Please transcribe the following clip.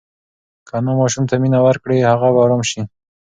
که انا ماشوم ته مینه ورکړي هغه به ارام شي.